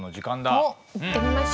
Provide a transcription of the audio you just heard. おっ行ってみましょう。